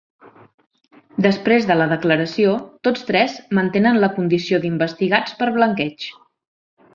Després de la declaració tots tres mantenen la condició d’investigats per blanqueig.